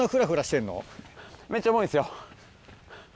めっちゃ重いんですよ。